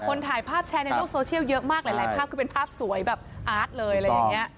ถ่ายภาพแชร์ในโลกโซเชียลเยอะมากหลายภาพคือเป็นภาพสวยแบบอาร์ตเลยอะไรอย่างนี้